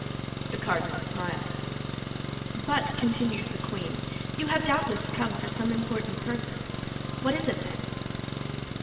The cardinal smiled. "But," continued the queen, "you have doubtless come for some important purpose. What is it, then?"